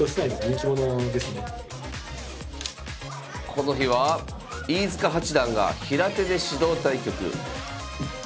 この日は飯塚八段が平手で指導対局。